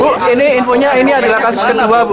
bu ini infonya ini adalah kasus kedua bu